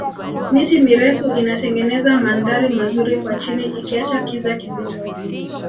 miti mirefu inatengeneza mandhari mazuri kwa chini ikiacha kiza kizito